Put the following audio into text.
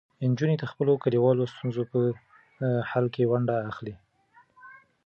نجونې د خپلو کلیوالو ستونزو په حل کې ونډه اخلي.